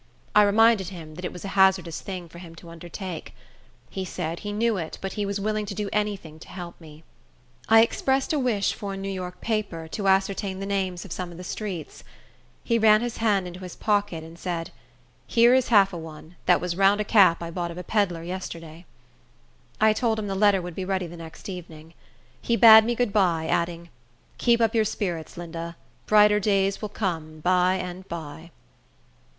I reminded him that it was a hazardous thing for him to undertake. He said he knew it, but he was willing to do any thing to help me. I expressed a wish for a New York paper, to ascertain the names of some of the streets. He run his hand into his pocket, and said, "Here is half a one, that was round a cap I bought of a pedler yesterday." I told him the letter would be ready the next evening. He bade me good by, adding, "Keep up your spirits, Linda; brighter days will come by and by."